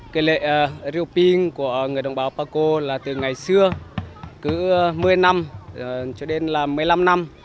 cái lễ arioping của người đồng bào baco là từ ngày xưa cứ một mươi năm cho đến là một mươi năm năm